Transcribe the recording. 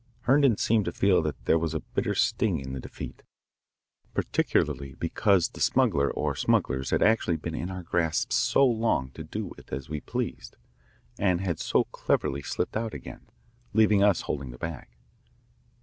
Herndon seemed to feel that there was a bitter sting in the defeat, particularly because the smuggler or smugglers had actually been in our grasp so long to do with as we pleased, and had so cleverly slipped out again, leaving us holding the bag.